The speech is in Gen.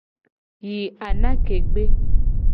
Yi anake gbe.